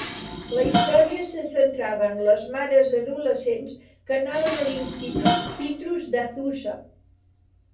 La història se centrava en les mares adolescents que anaven a l'institut Citrus d'Azusa.